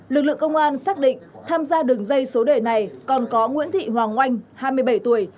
lực lượng công an xác định tham gia đường dây số đề này còn có nguyễn thị hoàng oanh hai mươi bảy tuổi